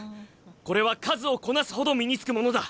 これは数をこなすほど身につくものだ。